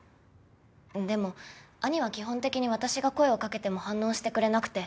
でも義兄は基本的に私が声をかけても反応してくれなくて。